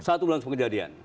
satu bulan sebelum kejadian